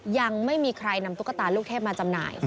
ยังไม่มีใครนำตุ๊กตาลูกเทพมาจำหน่าย